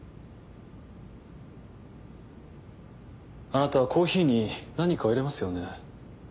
あなたはコーヒーに何かを入れますよね？